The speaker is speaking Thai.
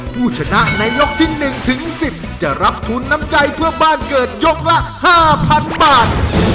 ผู้ชนะในยกที่๑ถึง๑๐จะรับทุนน้ำใจเพื่อบ้านเกิดยกละ๕๐๐๐บาท